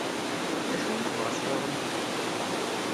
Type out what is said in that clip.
D acu i tebɣa sɣur-m?